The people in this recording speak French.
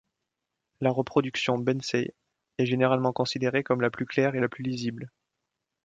La reproduction Bensey est généralement considérée comme la plus claire et la plus lisible.